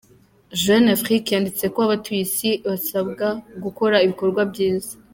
Jeune Afrique yanditse ko abatuye isi basabwa gukora ibikorwa byiza.